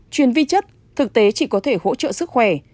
chuyên vi chất thực tế chỉ có thể hỗ trợ sức khỏe